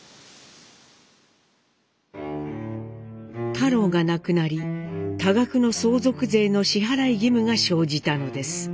太郎が亡くなり多額の相続税の支払い義務が生じたのです。